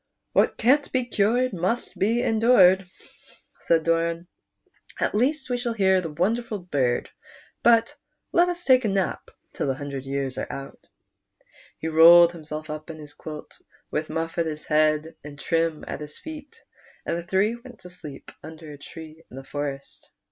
" What can't be cured must be endured," said Dor.m ;" at least we shall hear the wonderful bird ; but let us take a nap till the hundred years are out," He rolled himself up in his quilt, with Muff at his head and Trim at his feet, and the three went to sleep under a tree in a forest.